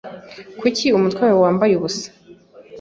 kuko umutwe wawe wambaye ubusa